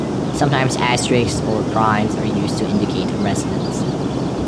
Sometimes asterisks or primes are used to indicate a resonance.